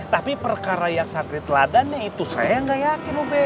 tapi perkara yang santri teladanya itu saya nggak yakin ube